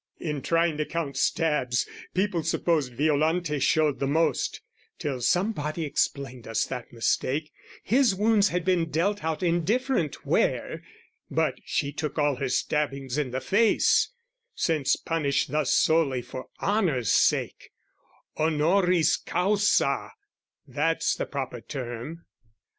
In trying to count stabs, People supposed Violante showed the most, Till somebody explained us that mistake; His wounds had been dealt out indifferent where, But she took all her stabbings in the face, Since punished thus solely for honour's sake, Honoris causâ, that's the proper term.